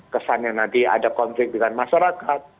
kesannya nanti ada konflik dengan masyarakat